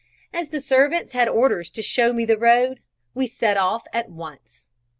As the servants had orders to show me the road, we set off at once.